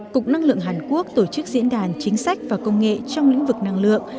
cục năng lượng hàn quốc tổ chức diễn đàn chính sách và công nghệ trong lĩnh vực năng lượng